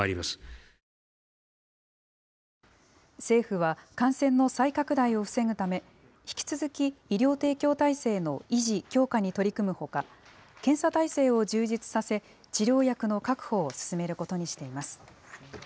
政府は感染の再拡大を防ぐため引き続き医療提供体制の維持・強化に取り組むほか検査体制を充実させ治療薬の確保を進めることにしています。